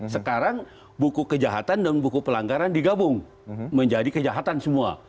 sekarang buku kejahatan dan buku pelanggaran digabung menjadi kejahatan semua